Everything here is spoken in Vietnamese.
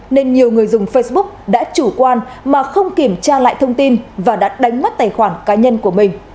nên nhiều người dùng facebook đã chủ quan mà không kiểm tra lại thông tin và đã đánh mất tài khoản cá nhân của mình